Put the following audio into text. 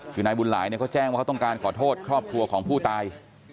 คือนายบุญหลายเขาแจ้งว่าเขาต้องการขอโทษครอบครัวของผู้ตาย